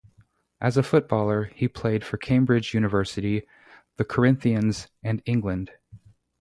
As a footballer, he played for Cambridge University, the Corinthians and England.